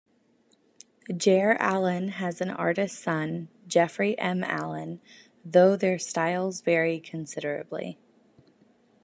Jere Allen has an artist son, Jeffery M. Allen, though their styles vary considerably.